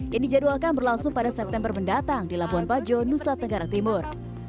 yang dijadwalkan berlangsung pada september mendatang di labuan bajo nusa tenggara timur